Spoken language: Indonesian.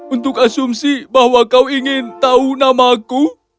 untuk asumsi bahwa kau ingin tahu namaku